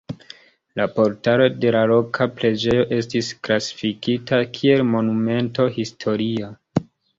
La portalo de la loka preĝejo estis klasifikita kiel Monumento historia.